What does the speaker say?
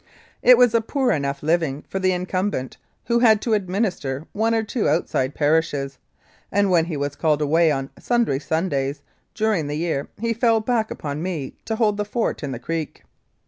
It was a poor enough living for the incumbent, who had to administer one or two outside parishes, and when he was called away on sundry Sundays during the year he fell back upon me to hold the fort in the Creek.